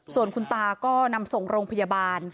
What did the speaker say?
ส่วนคุณตาก็นำส่งโรงพยาบาล